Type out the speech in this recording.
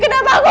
kenapa aku gak